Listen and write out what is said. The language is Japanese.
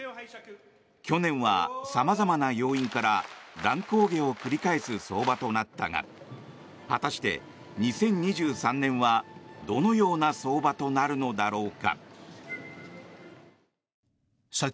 去年は様々な要因から乱高下を繰り返す相場となったが果たして、２０２３年はどのような相場となるのだろうか。